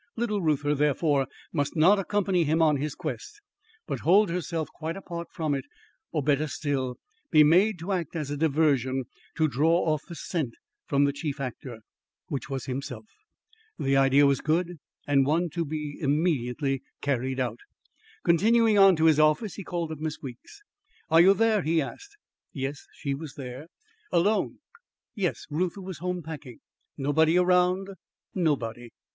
Little Reuther, therefore, must not accompany him on his quest, but hold herself quite apart from it; or, better still, be made to act as a diversion to draw off the scent from the chief actor, which was himself. The idea was good, and one to be immediately carried out. Continuing on to his office, he called up Miss Weeks. "Are you there?" he asked. Yes, she was there. "Alone?" Yes, Reuther was home packing. "Nobody around?" Nobody.